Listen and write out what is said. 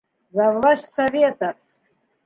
За власть Советов